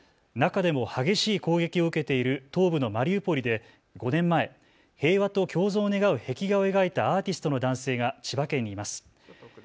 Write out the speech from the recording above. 中でも激しい攻撃を受けている東部のマリウポリで５年前平和と共存を願う壁画を描いたアーティストの男性が千葉県にいます。